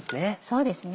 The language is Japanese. そうですね。